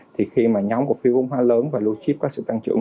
thì khi mà nhóm cổ phiếu vốn hóa lớn và blue chip có sự tăng trưởng